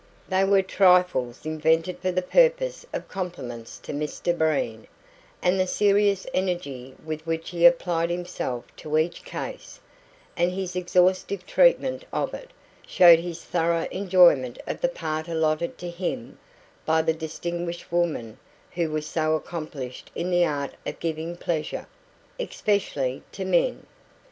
They were trifles invented for the purpose of compliments to Mr Breen, and the serious energy with which he applied himself to each case, and his exhaustive treatment of it, showed his thorough enjoyment of the part alloted to him by the distinguished woman who was so accomplished in the art of giving pleasure especially to men.